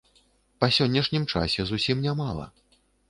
Па сённяшнім часе зусім не мала.